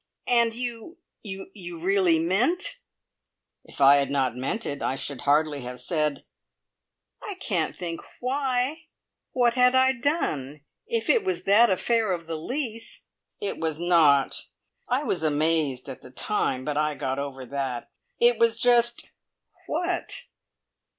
"And you you really meant " "If I had not meant it, I should hardly have said " "I can't think why! What had I done? If it was that affair of the lease " "It was not. I was amazed at the time, but I got over that. It was just " "What?"